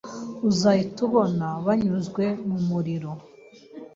Uzahita ubona banyuzwe mumuriro